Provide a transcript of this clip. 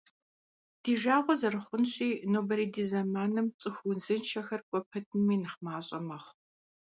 Ди жагъуэ зэрыхъунщи, нобэрей ди зэманым цӀыху узыншэхэр кӀуэ пэтми нэхъ мащӀэ мэхъу.